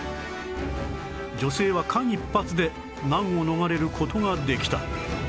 女性は間一髪で難を逃れる事ができた